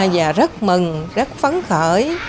và rất mừng rất phấn khởi